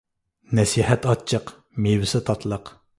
نەسىھەت ئاچچىق، مېۋىسى تاتلىق.